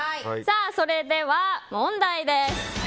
それでは、問題です。